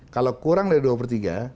kalau kurang dari dua per tiga